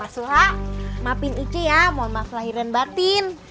pak suha maafin uci ya maaf lahir dan batin